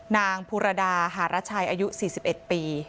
นางภูรดาหารชัยอายุ๔๑ปี